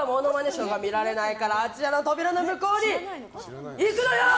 ショーが見られないからあちらの扉の向こうに行くのよ！